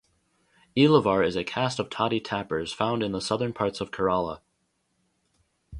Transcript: Eelavar is a caste of toddy tappers found in the southern parts of Kerala.